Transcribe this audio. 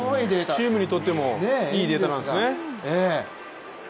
チームにとってもいいデータなんですね。